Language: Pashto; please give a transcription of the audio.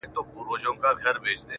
هم په غلاوو کي شریک یې څارنوال وو!.